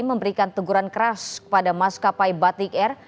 memberikan teguran keras kepada maskapai batik air